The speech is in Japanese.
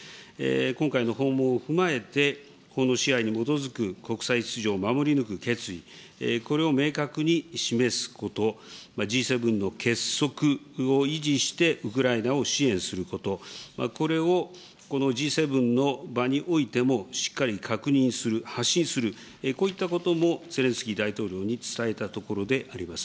今回の訪問を踏まえて、法の支配に基づく国際秩序を守り抜く決意、これを明確に示すこと、Ｇ７の結束を維持してウクライナを支援すること、これをこのＧ７の場においても、しっかり確認する、発信する、こういったこともゼレンスキー大統領に伝えたところであります。